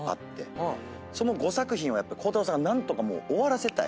その５作品を鋼太郎さんが何とか終わらせたい。